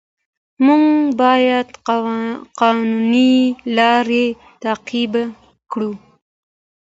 موږ باید قانوني لارې تعقیب کړو